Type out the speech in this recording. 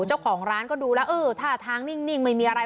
เจ้าของร้านก็ดูแล้วเออท่าทางนิ่งไม่มีอะไร